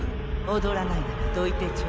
踊らないならど